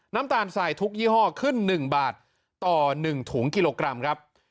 น้ำตาลสายทุกยี่ห้อขึ้น๑บาทต่อ๑ถุงกิโลกรัมครับ